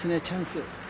チャンス。